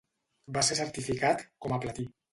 Va ser certificat com a platí.